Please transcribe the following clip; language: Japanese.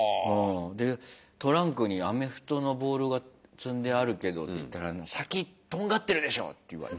で「トランクにアメフトのボールが積んであるけど」って言ったら「先とんがってるでしょ」って言われた。